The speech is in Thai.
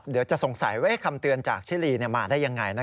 เดี๋ยวจะสงสัยว่าคำเตือนจากชิลีมาได้ยังไง